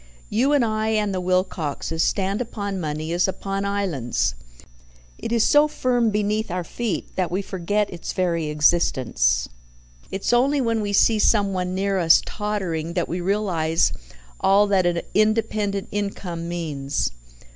You and I and the Wilcoxes stand upon money as upon islands. It is so firm beneath our feet that we forget its very existence. It's only when we see someone near us tottering that we realize all that an independent income means.